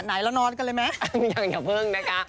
เธอบนี้มี